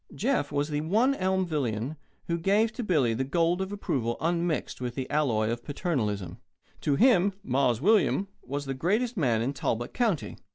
Jeff was the one Elmvillian who gave to Billy the gold of approval unmixed with the alloy of paternalism. To him "Mars William" was the greatest man in Talbot County.